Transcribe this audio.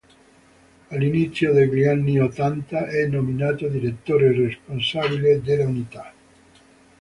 All'inizio degli anni ottanta è nominato Direttore Responsabile dell'Unità.